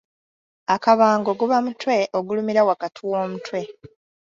Akabango guba mutwe ogulumira wakati w'omutwe.